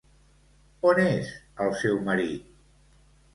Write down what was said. On és el seu marit?